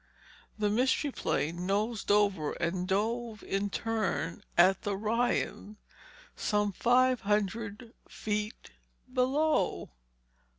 The Mystery Plane nosed over and dove in turn at the Ryan, some five hundred feet below.